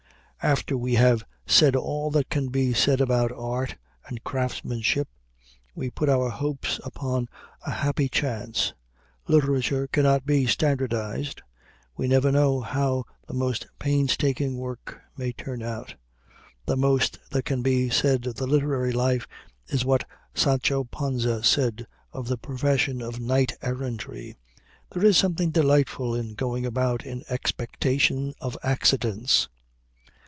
After we have said all that can be said about art and craftsmanship, we put our hopes upon a happy chance. Literature cannot be standardized. We never know how the most painstaking work may turn out. The most that can be said of the literary life is what Sancho Panza said of the profession of knight errantry: "There is something delightful in going about in expectation of accidents."